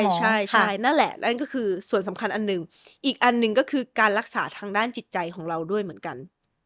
ใช่นั่นแหละนั่นก็คือส่วนสำคัญอันหนึ่งอีกอันหนึ่งก็คือการรักษาทางด้านจิตใจของเราด้วยเหมือนกัน